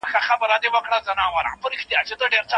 باټي هم یو حد او اخلاق لري. اوس خلکو د دې ډول شعارونو